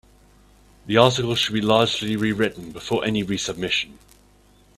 The article should be largely rewritten before any resubmission.